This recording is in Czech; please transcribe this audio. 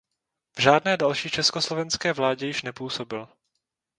V žádné další československé vládě již nepůsobil.